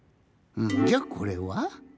じゃあこれは？